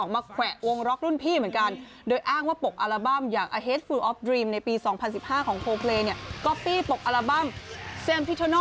ไม่รู้เค้าตีอะไรกันนะครับแต่ว่าเลือกแล้วที่ขึ้นไปบนโคลเพลย์